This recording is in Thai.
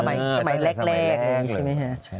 อืมสมัยแรกใช่ไหมคะ